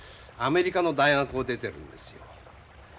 アメリカの大学を出てるんですよ。